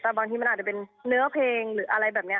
แต่บางทีมันอาจจะเป็นเนื้อเพลงหรืออะไรแบบนี้